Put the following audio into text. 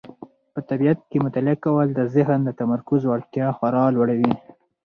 په طبیعت کې مطالعه کول د ذهن د تمرکز وړتیا خورا لوړوي.